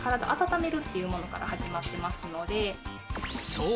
そう。